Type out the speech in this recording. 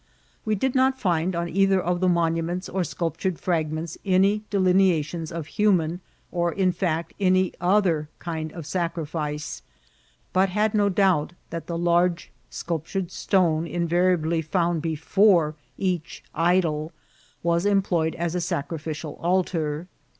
We did not find on either of the monuments or sculptured firagments any delineaticms of koman, or, in fiict, any other kind of sacrifice, but had BO doubt tiiat the large sculptured stone invariably found before etfch ^'idoP' was employed as a sacrificial altar.